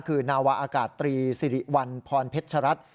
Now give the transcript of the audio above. คือนาวาอากาศตรีสิริวัลพรเพชรัตน์